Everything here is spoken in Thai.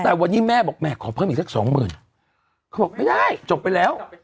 แต่วันนี้แม่บอกแม่ขอเพิ่มอีกสักสองหมื่นเขาบอกไม่ได้จบไปแล้ว